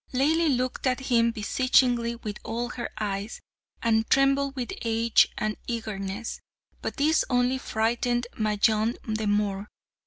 Laili looked at him beseechingly with all her eyes, and trembled with age and eagerness; but this only frightened Majnun the more.